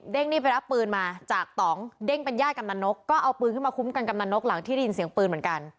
นี่ไปรับปืนมาจากต่องเด้งเป็นญาติกำนันนกก็เอาปืนขึ้นมาคุ้มกันกำนันนกหลังที่ได้ยินเสียงปืนเหมือนกัน